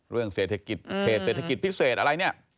เรื่องเศรษฐกิจเขตเศรษฐกิจพิเศษอะไรเนี่ย